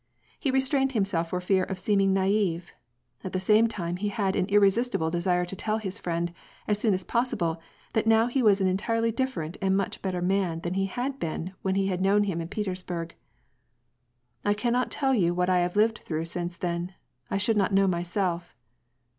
He re strained himself for fear of seeming naive : at the same time he had an irresistible desire to tell his friend as soon as possi ble that now he was an entirely different and much better man than he had been when he had known him in Petersburg. '^ I cannot tell you what I have lived through since then. I should not know myself."